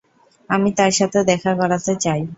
আমি তার সাথে দেখা করাতে চাই।